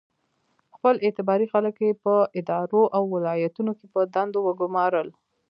خپل اعتباري خلک یې په ادارو او ولایتونو کې په دندو وګومارل.